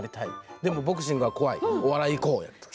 でもボクシングは怖いお笑いいこうよって。